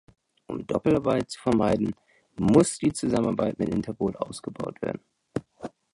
Um Doppelarbeit zu vermeiden, muss die Zusammenarbeit mit Interpol ausgebaut werden.